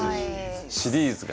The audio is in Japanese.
シリーズが。